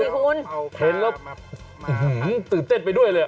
เห็นแล้วอื้อหือตื่นเต้นไปด้วยเลย